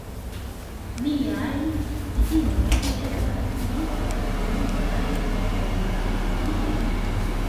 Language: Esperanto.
Miaj Diinoj estas pli fekundaj ol la viaj.